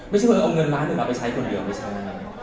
ไม่ใช่ว่าเอาเงินล้านหนึ่งเอาไปใช้คนเดียวไม่ใช่